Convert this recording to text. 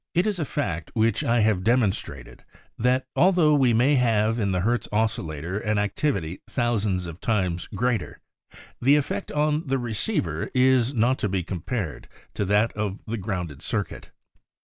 It is a fact which I have demonstrated that, altho we may have in the Hertz oscillator a'i activity thousands of times greater, the effect on the receiver is not to be compared to that of the grounded circuit.